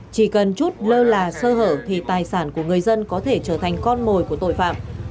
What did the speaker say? chỉ cần chút lơ là sơ hở thì tài sản của người dân có thể trở thành con mồi của tội phạm